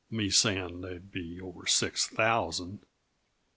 Me saying there'd be over six thousand!)